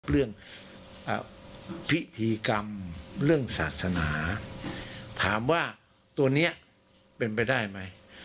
เรื่องพิธีกรรมเรื่องศาสนาถามว่าตัวนี้เป็นไปได้ไหม